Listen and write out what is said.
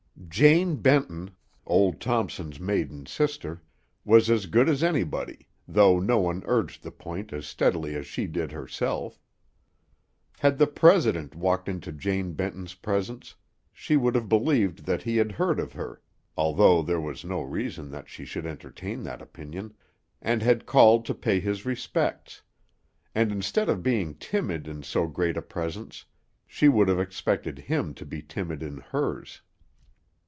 Jane Benton, old Thompson's maiden sister, was as good as anybody, though no one urged the point as steadily as she did herself. Had the President walked into Jane Benton's presence, she would have believed that he had heard of her (although there was no reason that she should entertain that opinion) and had called to pay his respects; and instead of being timid in so great a presence, she would have expected him to be timid in hers.